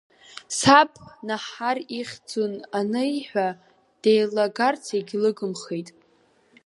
Саб Наҳар ихьӡын аниҳәа деилагарц егьлыгымхеит.